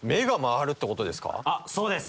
あっそうです！